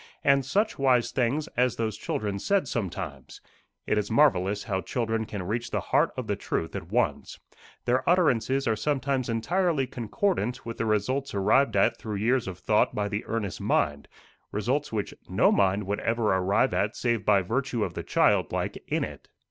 And such wise things as those children said sometimes! It is marvellous how children can reach the heart of the truth at once. Their utterances are sometimes entirely concordant with the results arrived at through years of thought by the earnest mind results which no mind would ever arrive at save by virtue of the child like in it.